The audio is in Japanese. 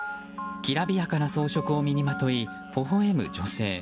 きらびやかな装飾に身をまといほほ笑む女性。